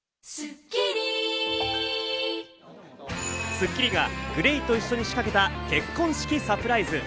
『スッキリ』がＧＬＡＹと一緒に仕掛けた結婚式サプライズ。